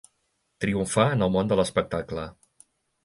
Triomfar en el món de l'espectacle.